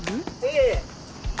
いえいえ！